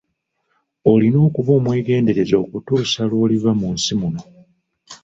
Olina okuba omwegendereza okutuusa lw'oliva mu nsi muno.